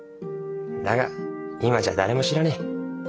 だが今じゃ誰も知らねえ。